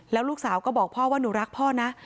แล้วลูกสาวก็บอกพ่อว่าหนูรักพ่อนะ